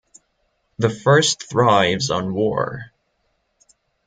The first thrives on war.